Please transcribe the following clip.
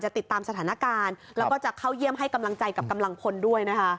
ติดตามสถานการณ์แล้วก็จะเข้าเยี่ยมให้กำลังใจกับกำลังพลด้วยนะคะ